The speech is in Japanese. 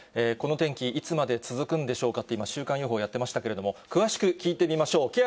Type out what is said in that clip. この天気、いつまで続くんでしょうかって、今、週間予報やってましたけれども、詳しく聞いてみましょう。